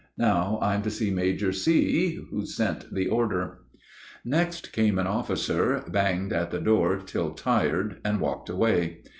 Now I'm to see Major C., who sent the order." Next came an officer, banged at the door till tired, and walked away.